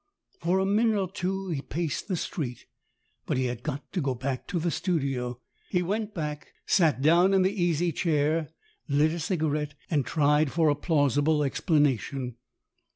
For a minute or two he paced the street, but he had got to go back to the studio. He went back, sat down in the easy chair, lit a cigarette, and tried for a plausible explanation.